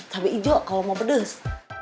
cabai hijau kalau mau pedes